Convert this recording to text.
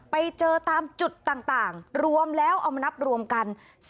ไปเจอตามจุดต่างรวมแล้วเอามานับรวมกัน